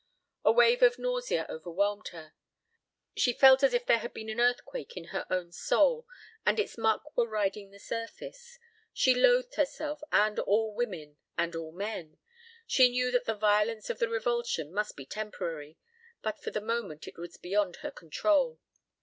A wave of nausea overwhelmed her. She felt as if there had been an earthquake in her own soul and its muck were riding the surface. She loathed herself and all women and all men. She knew that the violence of the revulsion must be temporary, but for the moment it was beyond her control.